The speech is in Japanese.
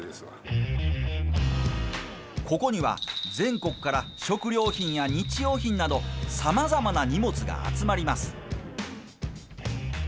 ここには全国から食料品や日用品などさまざまな荷物が集まります。